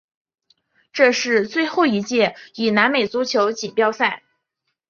这是最后一届以南美足球锦标赛。